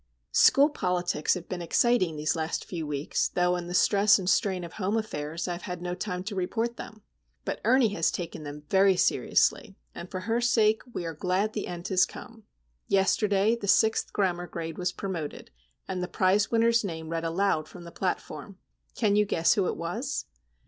School politics have been exciting these last few weeks, though in the stress and strain of home affairs I have had no time to report them. But Ernie has taken them very seriously, and for her sake we are glad the end has come. Yesterday the Sixth Grammar Grade was promoted, and the prize winner's name read aloud from the platform. Can you guess who it was?